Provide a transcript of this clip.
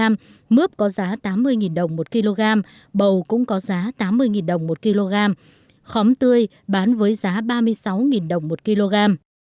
mướp có giá tám mươi đồng một kg bầu cũng có giá tám mươi đồng một kg khóm tươi bán với giá ba mươi sáu đồng một kg